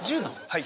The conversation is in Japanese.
はい。